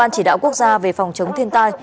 chỉ đạo quốc gia về phòng chống thiên tai